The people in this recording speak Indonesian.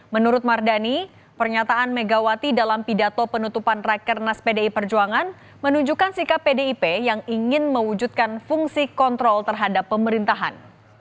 menurut mardani pernyataan megawati dalam pidato penutupan rekernas pdi perjuangan menunjukkan sikap pdip yang ingin mewujudkan fungsi kontrol terhadap pemerintahan